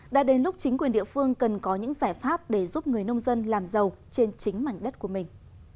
đã đến lúc chính quyền địa phương cần có những giải pháp để giúp người nông dân làm giàu trên chính mảnh đất của mình